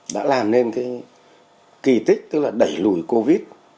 đã làm nên cái kỳ tích tức là đẩy lùi covid